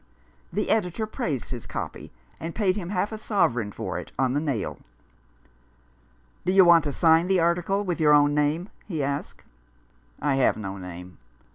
The editor praised his "copy," and paid him half a sovereign for it on the nail. " Do you want to sign the article with your own name?" he asked. "I have no name."